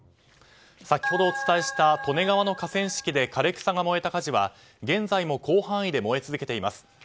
先ほどお伝えした利根川の河川敷で枯れ草が燃えた火事は現在も広範囲で燃え続けています。